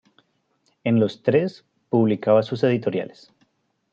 En los tres publicaba sus editoriales.